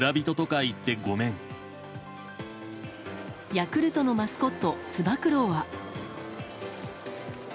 ヤクルトのマスコットつば九郎は。